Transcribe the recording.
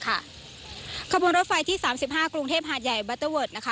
ขบวนรถไฟที่๓๕กรุงเทพหาดใหญ่บัตเตอร์เวิร์ดนะคะ